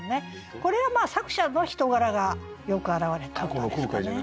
これは作者の人柄がよく表れた歌ですかね。